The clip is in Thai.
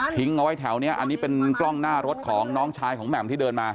เอาไว้แถวนี้อันนี้เป็นกล้องหน้ารถของน้องชายของแหม่มที่เดินมา